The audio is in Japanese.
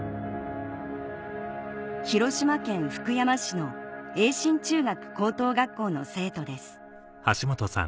広島県福山市の盈進中学高等学校の生徒です